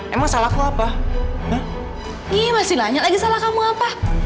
emang salahku apa iya masih nanya lagi salah kamu apa